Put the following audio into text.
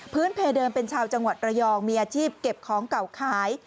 เพเดิมเป็นชาวจังหวัดระยองมีอาชีพเก็บของเก่าขาย